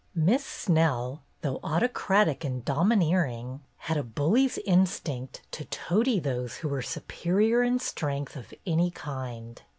Miss Snell, though autocratic and domi neering, had a bully's instinct to toady those who were superior in strength of any kind.